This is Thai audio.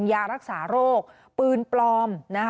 ยารักษาโรคปืนปลอม